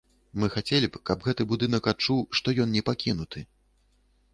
Мы хацелі б, каб гэты будынак адчуў, што ён не пакінуты.